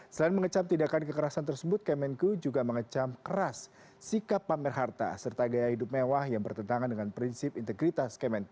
selain mengecam tindakan kekerasan tersebut kemenku juga mengecam keras sikap pamer harta serta gaya hidup mewah yang bertentangan dengan prinsip integritas kemenku